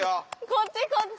こっちこっち！